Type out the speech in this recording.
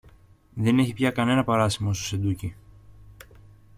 Δεν έχει πια κανένα παράσημο στο σεντούκι